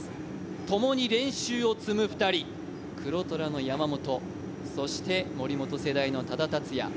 ともに練習を積む２人、黒虎の山本、そして森本世代の多田竜也。